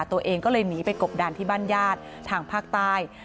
ตัวเองก็เลยหนีไปกบดานที่บ้านญาติทางภาคใต้